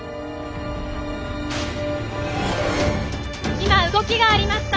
今動きがありました。